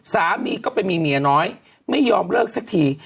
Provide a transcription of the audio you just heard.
สามีก็ไปมีเมียน้อยไม่ยอมเลิกสักที